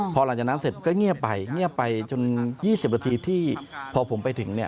พอหลังจากนั้นเสร็จก็เงียบไปเงียบไปจน๒๐นาทีที่พอผมไปถึง